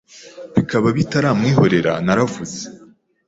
Bikaba bitaramwihorera naravuze